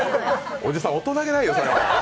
おじさん、大人げないよ、それ。